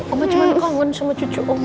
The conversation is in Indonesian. oma cuman kangen sama cucu oma